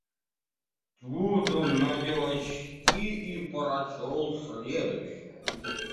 Тут он надел очки и прочел следующее: